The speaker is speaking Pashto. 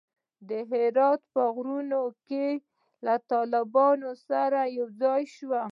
د دهراوت په غرونو کښې له طالبانو سره يوځاى سوم.